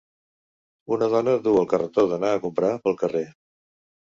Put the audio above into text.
Una dona duu el carretó d'anar a comprar pel carrer.